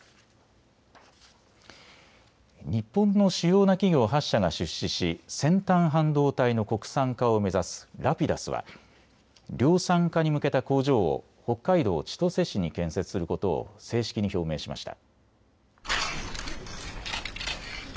日本の主要な企業８社が出資し先端半導体の国産化を目指すＲａｐｉｄｕｓは量産化に向けた工場を北海道千歳市に建設することを正式に表明しました。